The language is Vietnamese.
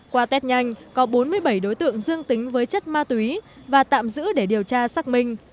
qua test nhanh có bốn mươi bảy đối tượng dương tính với chất ma túy và tạm giữ để điều tra xác minh